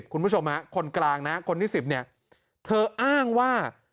คุณผู้ชมคนกลางคนที่๑๐เธออ้างว่า